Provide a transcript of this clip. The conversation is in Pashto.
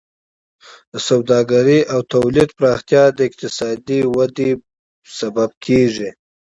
د سوداګرۍ او تولید پراختیا د اقتصادي وده سبب کیږي.